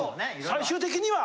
最終的には。